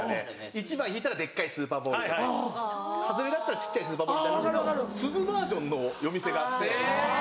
１番引いたらデッカいスーパーボールハズレだったら小っちゃいスーパーボールだけど鈴バージョンの夜店があって。